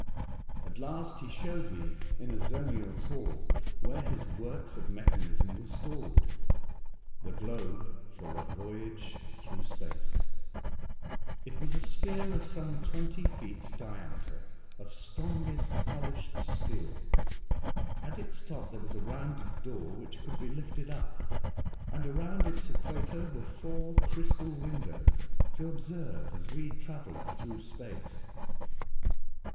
At last he showed me, in Azoniel's hall (where his works of mechanism were stored) the globe for a voyage through space. It was a sphere of some twenty feet diameter, of strongest polished steel. At its top there was a rounded door which could be lifted up, and around its equator were four crystal windows, to observe as we travelled through space.